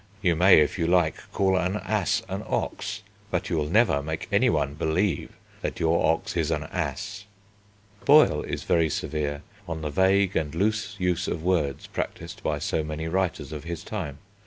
You may if you like call an ass an ox, but you will never make anyone believe that your ox is an ass." Boyle is very severe on the vague and loose use of words practised by so many writers of his time.